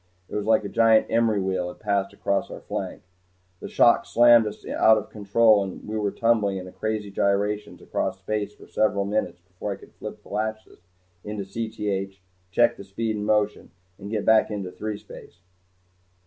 It was like a giant emery wheel had passed across our flank. The shock slammed us out of control and we went tumbling in crazy gyrations across space for several minutes before I could flip the "Lachesis" into Cth, check the speed and motion, and get back into threespace.